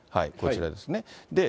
こちらですね。